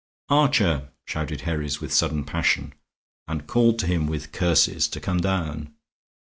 "Archer!" shouted Herries, with sudden passion, and called to him with curses to come down.